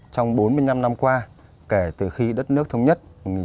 trong bốn mươi năm năm qua kể từ khi đất nước thống nhất một nghìn chín trăm bảy mươi